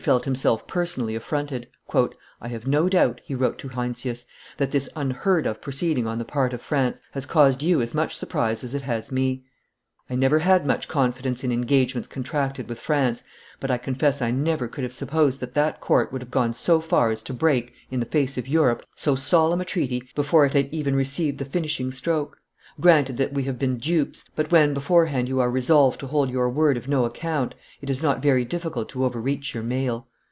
felt himself personally affronted. "I have no doubt," he wrote to Heinsius, "that this unheard of proceeding on the part of France has caused you as much surprise as it has me; I never had much confidence in engagements contracted with France, but I confess I never could have supposed that that court would have gone so far as to break, in the face of Europe, so solemn a treaty before it had even received the finishing stroke. Granted that we have been dupes; but when, beforehand, you are resolved to hold your word of no account, it is not very difficult to overreach your mail.